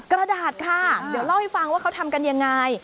กระดาษค่ะเดี๋ยวเล่าให้ฟังว่าเขาทำกันยังไง